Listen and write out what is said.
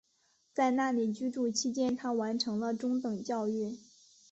在那里居住期间她完成了中等教育。